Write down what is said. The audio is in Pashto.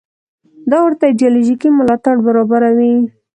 دا ورته ایدیالوژیکي ملاتړ برابروي.